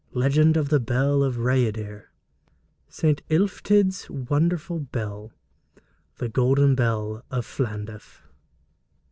Legend of the Bell of Rhayader St. Illtyd's Wonderful Bell The Golden Bell of Llandaff.